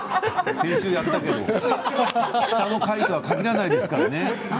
先週やったけど下の階とは限らないからね。